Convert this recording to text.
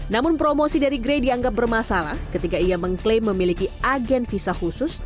namun promosi dari gray dianggap bermasalah ketika ia mengklaim memiliki agen visa khusus